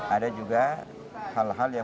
ada juga hal hal yang